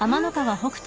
北斗！